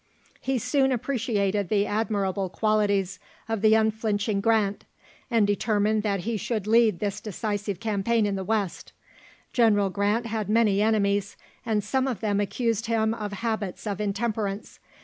He soon appreciated the admirable qualities of the unflinching Grant, and determined that he should lead this decisive campaign in the West. General Grant had many enemies, and some of them accused him of habits of intemperance.